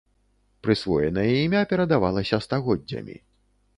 Прысвоенае імя перадавалася стагоддзямі.